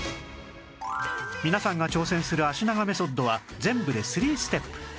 皆さんが挑戦する脚長メソッドは全部で３ステップ